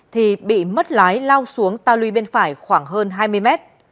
thì bị mất lái lao xuống ta lùi bên phải khoảng hơn hai mươi mét